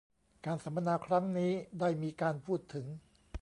การสัมมนาครั้งนี้ได้มีการพูดถึง